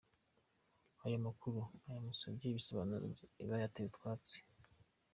Aya makuru abamusabye ibisobanuro bayateye utwatsi.